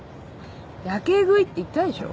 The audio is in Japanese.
やけ食いって言ったでしょ。